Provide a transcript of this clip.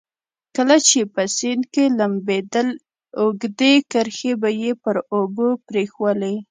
کله چې په سیند کې لمبېدل اوږدې کرښې به یې پر اوبو پرېښوولې.